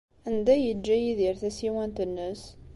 Anda ay yeǧǧa Yidir tasiwant-nnes?